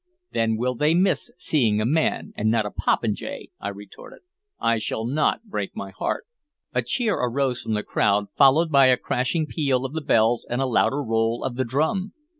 "Then will they miss seeing a man, and not a popinjay," I retorted. "I shall not break my heart." A cheer arose from the crowd, followed by a crashing peal of the bells and a louder roll of the drum.